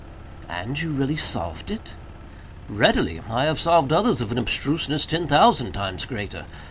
"And you really solved it?" "Readily; I have solved others of an abstruseness ten thousand times greater.